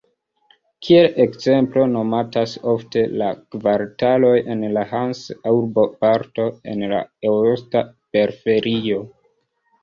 Kiel ekzemplo nomatas ofte la kvartaloj en la Hanse-urboparto en la eosta periferio.